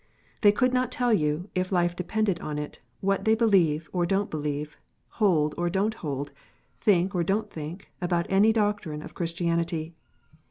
They could not tell you, if life depended on it, what they believe or don t believe, hold or don t hold, think or don t think, about any doctrine of Christianity.